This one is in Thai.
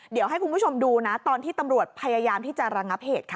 เดี๋ยวให้คุณผู้ชมดูนะตอนที่ตำรวจพยายามที่จะระงับเหตุค่ะ